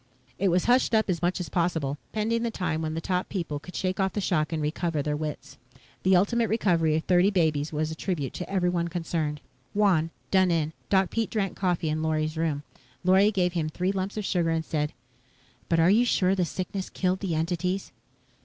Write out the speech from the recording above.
It was hushed up as much as possible, pending the time when the top people could shake off the shock and recover their wits. The ultimate recovery of thirty babies was a tribute to everyone concerned. Wan, done in, Doc Pete drank coffee in Lorry's room. Lorry gave him three lumps of sugar and said, "But are you sure the sickness killed the entities?"